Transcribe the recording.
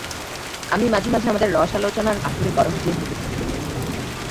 আমি মাঝে মাঝে আমাদের রসালোচনার আসরে গরহাজির হইতে শুরু করিয়াছিলাম।